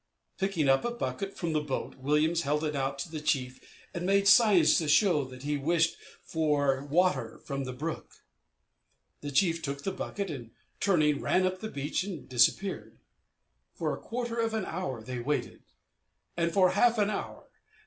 Picking up a bucket from the boat, Williams held it out to the chief and made signs to show that he wished for water from the brook. The chief took the bucket, and, turning, ran up the beach and disappeared. For a quarter of an hour they waited; and for half an hour.